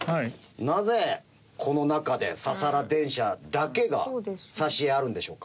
なぜこの中でササラ電車だけが挿絵あるんでしょうか？